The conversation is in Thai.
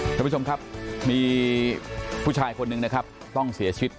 ทุกคนผู้ชมครับมีผู้ชายคนนึงต้องเสียชีวิต